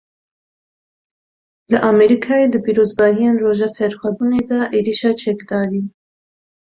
Li Amerîkayê di pîrozbahiyên Roja Serxwebûnê de êrişa çekdarî.